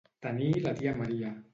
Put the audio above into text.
Tenir la tia Maria.